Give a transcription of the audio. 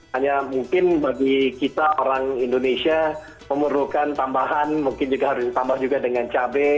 hanya mungkin bagi kita orang indonesia memerlukan tambahan mungkin juga harus ditambah juga dengan cabai